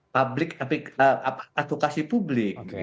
publik atau advokasi publik